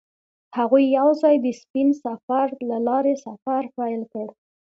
هغوی یوځای د سپین سفر له لارې سفر پیل کړ.